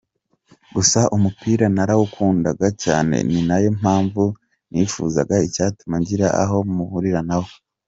Gusa umupira narawukundaga cyane ni nayo mpamvu nifuzaga icyazatuma ngira aho mpurira nawo.